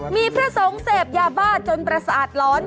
มีพระสงฆ์เสพยาบ้าจนประสาทร้อน